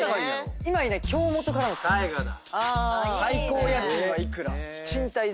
今いない京本からの質問です。